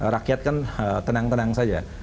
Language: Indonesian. rakyat kan tenang tenang saja